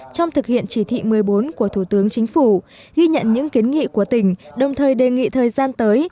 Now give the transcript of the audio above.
trong thực hiện chỉ thị một mươi bốn của thủ tướng chính phủ ghi nhận những kiến nghị của tỉnh đồng thời đề nghị thời gian tới